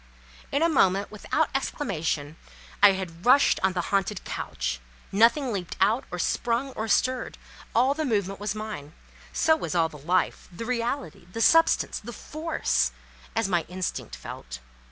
In a moment, without exclamation, I had rushed on the haunted couch; nothing leaped out, or sprung, or stirred; all the movement was mine, so was all the life, the reality, the substance, the force; as my instinct felt.